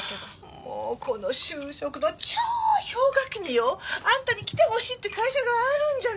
もうこの就職の超氷河期によあんたに来てほしいって会社があるんじゃないの！